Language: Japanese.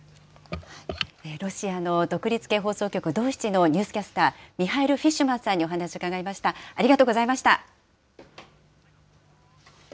ロシアの独立系放送局、ドーシチのニュースキャスター、ミハイル・フィッシュマンさんに伺いました。